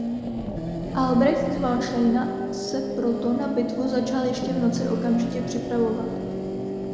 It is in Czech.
Albrecht z Valdštejna se proto na bitvu začal ještě v noci okamžitě připravovat.